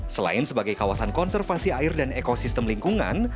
selain sebagai kawasan konservasi air dan ekosistem lingkungan